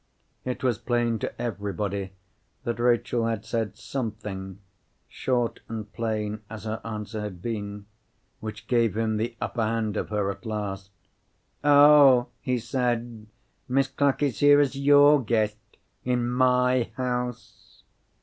It was plain to everybody that Rachel had said something—short and plain as her answer had been—which gave him the upper hand of her at last. "Oh?" he said. "Miss Clack is here as your guest—in my house?"